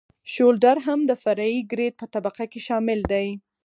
شولډر هم د فرعي ګریډ په طبقه کې شامل دی